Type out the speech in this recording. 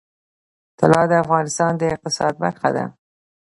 طلا د افغانستان د اقتصاد برخه ده.